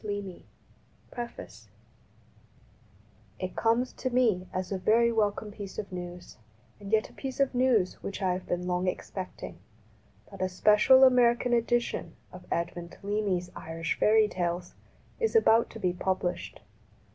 169 PREFACE IT comes to me as a very welcome piece of news, and yet a piece of news which I have been long expecting, that a special American edition of Edmund Leamy's Irish fairy tales is about to be published.